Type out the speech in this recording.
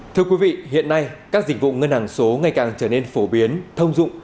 thưa quý vị hiện nay các dịch vụ ngân hàng số ngày càng trở nên phổ biến thông dụng